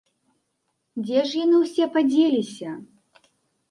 Дзе ж яны ўсе падзеліся?